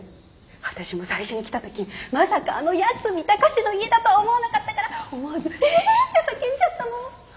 私も最初に来た時まさかあの八海崇の家だとは思わなかったから思わず「ええっ！」って叫んじゃったもん。